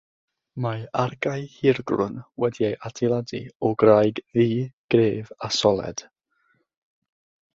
Mae argae hirgrwn wedi'i adeiladu o graig ddu, gref a soled.